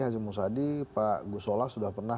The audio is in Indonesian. haji musadi pak gusola sudah pernah